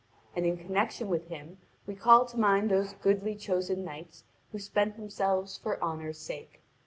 And in connection with him we call to mind those goodly chosen knights who spent themselves for honour's sake.